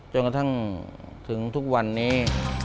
จนกระทั่งถึงทุกวันนี้